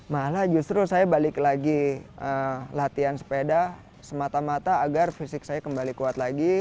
malah justru saya balik lagi latihan sepeda semata mata agar fisik saya kembali kuat lagi